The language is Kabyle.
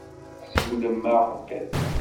Siwlem-aɣ-d.